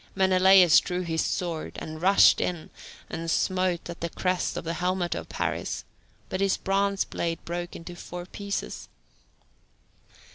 Menelaus drew his sword, and rushed in, and smote at the crest of the helmet of Paris, but his bronze blade broke into four pieces.